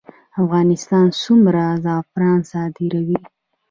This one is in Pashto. افغانستان څومره زعفران صادروي؟